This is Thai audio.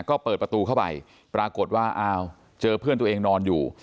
ก็เปิดประตูเข้าไปปรากฏว่าอ้าวเจอเพื่อนตัวเองนอนอยู่